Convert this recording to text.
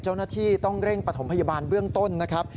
เจ้าหน้าที่ต้องเร่งปฐมพยาบาลเบื้องต้นนะครับ